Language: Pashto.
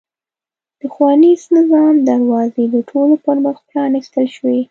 د ښوونیز نظام دروازې د ټولو پرمخ پرانېستل شوې.